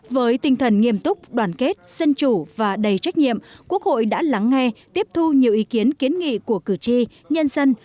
với tinh thần nghiêm túc đoàn kết dân chủ và đầy trách nhiệm quốc hội đã lắng nghe tiếp thu nhiều ý kiến kiến nghị của cử tri nhân dân